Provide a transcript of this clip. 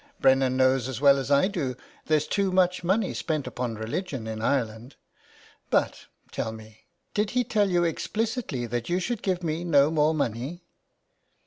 Brennan knows as well as I do there's too much money spent upon religion in Ireland. But, tell me, did he tell you explicitly that you should give me no more money